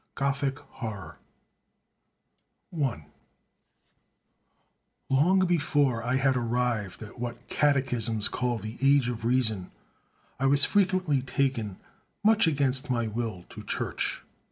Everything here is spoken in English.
Gothic Horror [Decoration] I LONG before I had arrived at what catechisms call the age of reason, I was frequently taken, much against my will, to church.